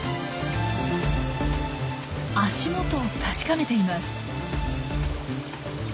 足元を確かめています。